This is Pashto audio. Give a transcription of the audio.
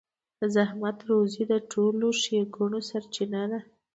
د زحمت روزي د ټولو ښېګڼو سرچينه ده.